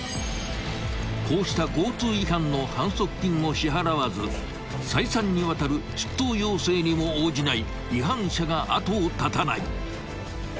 ［こうした交通違反の反則金を支払わず再三にわたる出頭要請にも応じない違反者が後を絶たない］